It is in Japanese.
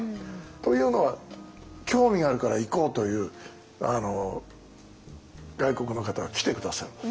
というのは興味があるから行こうという外国の方が来て下さる。